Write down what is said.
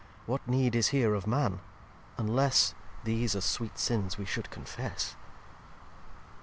What need is here of Man? unless These as sweet Sins we should confess.